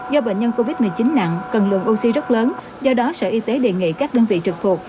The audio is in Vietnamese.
do bệnh nhân covid một mươi chín nặng cần lượng oxy rất lớn do đó sở y tế đề nghị các đơn vị trực thuộc